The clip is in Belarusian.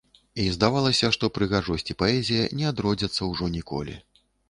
І здавалася, што прыгажосць і паэзія не адродзяцца ўжо ніколі.